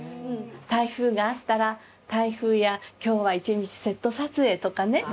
台風があったら「台風や今日は一日セット撮影」とかね。